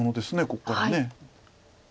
ここから。